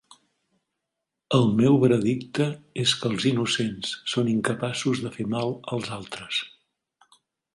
El meu veredicte és que els innocents són incapaços de fer mal als altres.